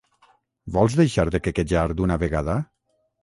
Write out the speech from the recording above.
Vols deixar de quequejar d'una vegada?